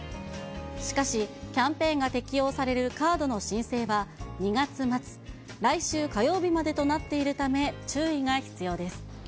しかし、キャンペーンが適用されるカードの申請は２月末、来週火曜日までとなっているため注意が必要です。